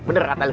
bener kata lu